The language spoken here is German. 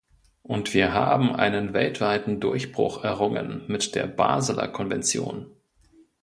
Und wir haben einen weltweiten Durchbruch errungen mit der Baseler Konvention.